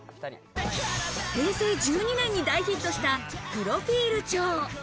平成１２年に大ヒットした、プロフィール帳。